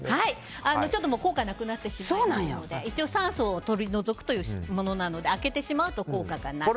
効果がなくなってしまいますので酸素を取り除くものなので開けてしまうと効果がない。